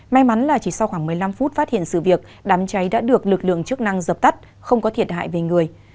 may mắn là chỉ sau khoảng một mươi năm phút phát hiện sự việc đám cháy đã được lực lượng chức năng dập tắt không có thiệt hại về người